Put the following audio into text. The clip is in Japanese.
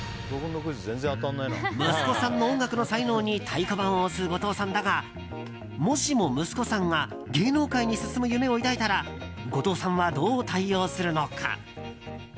息子さんの音楽の才能に太鼓判を押す後藤さんだがもしも息子さんが芸能界に進む夢を抱いたら後藤さんはどう対応するのか。